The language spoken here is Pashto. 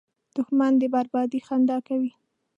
دښمن د بربادۍ خندا کوي